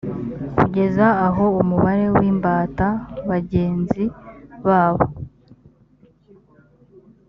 kugeza aho umubare w imbata bagenzi babo